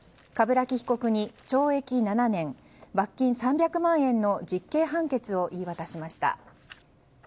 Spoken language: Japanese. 鏑木被告に懲役７年、罰金３００万円の実刑判決を言い渡しました。